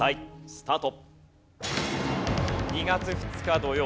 スタート。